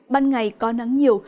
ban ngày có nắng nhiều